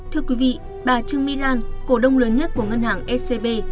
thưa quý vị bà trưng my lan cổ đông lớn nhất của ngân hàng scb